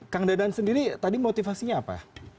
kang dadan sendiri tadi motivasinya apa